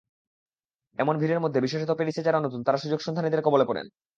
এমন ভিড়ের মধ্যে বিশেষত প্যারিসে যাঁরা নতুন, তাঁরা সুযোগসন্ধানীদের কবলে পড়েন।